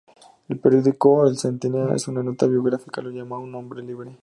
El periódico "El Centinela" en una nota biográfica lo llamó ""un hombre libre"".